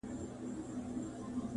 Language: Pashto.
ورته راغله د برکلي د ښکاریانو!.